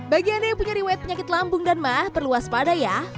bagi anda yang punya riwayat penyakit lambung dan mah perlu waspada ya